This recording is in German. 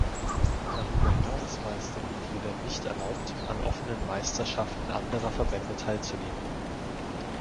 Darüber hinaus war es den Mitgliedern nicht erlaubt, an offenen Meisterschaften anderer Verbände teilzunehmen.